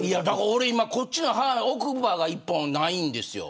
俺、今こっちの奥歯が１本ないんですよ。